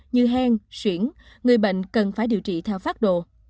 như hen xuyển người bệnh cần phải điều trị theo pháp đồ